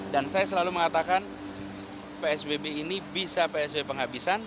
dan saya selalu mengatakan psbb ini bisa psbb penghabisan